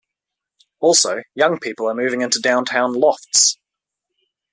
Also, young people are moving into downtown lofts.